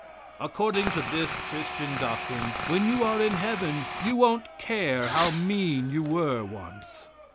According to this Christian doctrine, when you are in heaven you won't care how mean you were once.